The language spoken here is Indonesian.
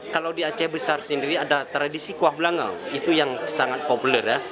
kalau di aceh besar sendiri ada tradisi kuah belangau itu yang sangat populer ya